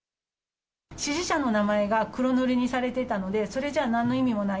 指示者の名前が黒塗りにされてたので、それじゃあなんの意味もない。